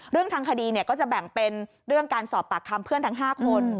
เรื่องทางคดีก็จะแบ่งเป็นเรื่องการสอบปากคำเพื่อนทั้ง๕คน